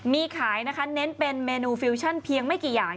มีขายนะคะเน้นเป็นเมนูฟิวชั่นเพียงไม่กี่อย่าง